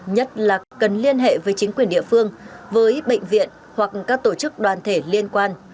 nhất là cần liên hệ với chính quyền địa phương với bệnh viện hoặc các tổ chức đoàn thể liên quan